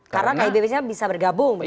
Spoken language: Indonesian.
karena kib bisa bergabung begitu